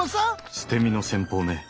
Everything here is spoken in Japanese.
捨て身の戦法ね。